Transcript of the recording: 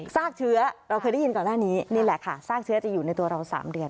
ซากเชื้อเราเคยได้ยินก่อนหน้านี้นี่แหละค่ะซากเชื้อจะอยู่ในตัวเรา๓เดือน